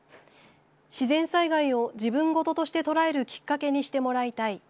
自然災害を自分ごととして捉えるきっかけにしてもらいたい。